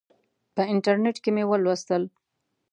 په انټرنیټ کې مې ولوستل.